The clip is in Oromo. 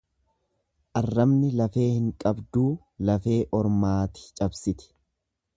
Arrabni lafee hin qabduu lafee ormaati cabsiti.